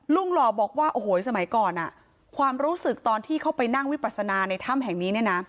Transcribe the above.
หล่อบอกว่าโอ้โหสมัยก่อนความรู้สึกตอนที่เข้าไปนั่งวิปัสนาในถ้ำแห่งนี้เนี่ยนะ